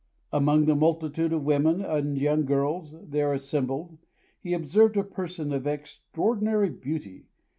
Among the multitude of women and young girls there assembled, he observed a person of extraordinary beauty.